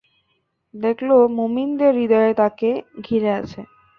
দেখল, মুমিনদের হৃদয় তাকে ঘিরে আছে।